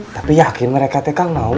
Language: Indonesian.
tapi yakin mereka teka mau